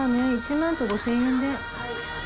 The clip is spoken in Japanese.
１万と５，０００円で。